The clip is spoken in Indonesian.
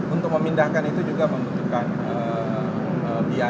untuk memindahkan itu juga membutuhkan biaya